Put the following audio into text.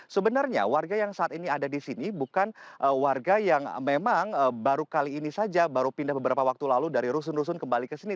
sebenarnya warga yang saat ini ada di sini bukan warga yang memang baru kali ini saja baru pindah beberapa waktu lalu dari rusun rusun kembali ke sini